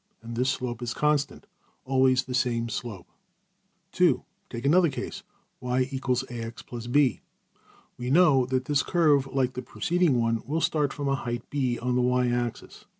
And this slope is constant always the same slope. (2) Take another case:\Pagelabel{Case2} \[ y = ax+b. \] We know that this curve, like the preceding one, will start from a height~$b$ on the $y$ axis.